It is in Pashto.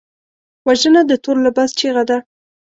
وژنه د تور لباس چیغه ده